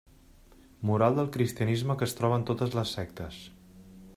Moral del cristianisme que es troba en totes les sectes.